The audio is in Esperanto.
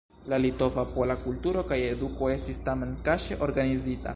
La Litova-Pola kulturo kaj eduko estis tamen kaŝe organizita.